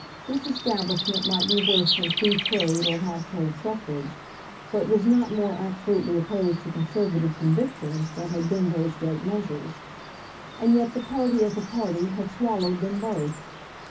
Disestablishment might be worse than Free Trade or Household Suffrage, but was not more absolutely opposed to Conservative convictions than had been those great measures. And yet the party, as a party, had swallowed them both.